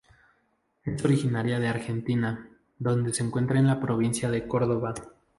Es originaria de Argentina, donde se encuentra en la provincia de Córdoba.